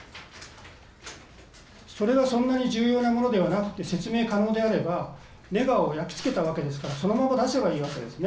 それがそんなに重要なものではなくて説明可能であればネガを焼き付けたわけですからそのまま出せばいいわけですね